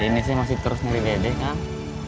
dini saya masih terus nyari dedek kang